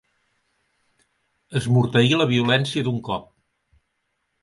Esmorteir la violència d'un cop.